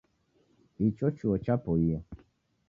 Icho chuo cha poie